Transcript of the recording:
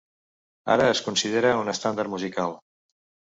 Ara es considera un estàndard musical.